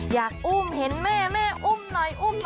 อยากอุ้มเห็นแม่อุ้มหน่อย